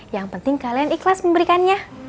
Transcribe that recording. yang penting kalian ikhlas memberikannya